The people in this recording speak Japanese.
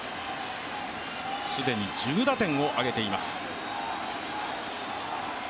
既に１０打点を挙げています。